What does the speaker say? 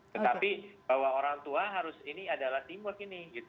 tetapi bahwa orang tua harus ini adalah teamwork ini